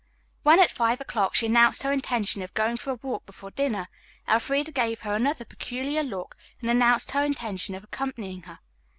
When, at five o'clock, she announced her intention of going for a walk before dinner, Elfreda gave her another peculiar look and announced her intention of accompanying her.